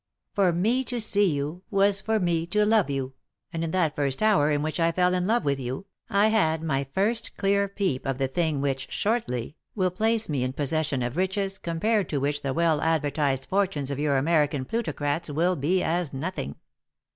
For me to see you was for me to love you, and in that first hour in which I fell in love with you I had my first clear peep 01 the thing which, shortly, will place me in possession of riches compared to which the well advertised fortunes of your American plutocrats will be as nothing."